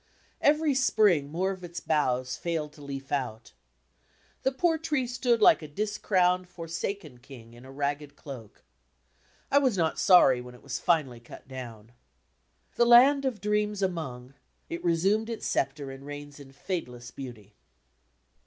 Every spring more of its boughs failed to leaf out. The poor tree stood like a discrowned, forsaken king in a ragged cloak. I was not sorry when it was finally cut down. "The (»} b, Google land of dreams among," it resumed its sceptre and reigns in fadeless beauty.